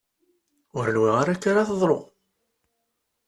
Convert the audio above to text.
Ur nwiɣ ara akka ara teḍru.